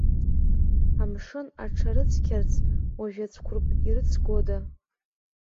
Амшын аҽарыцқьарц, уажә ацәқәырԥ ирыҵгәода?